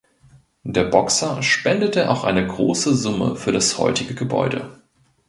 Der Boxer spendete auch eine große Summe für das heutige Gebäude.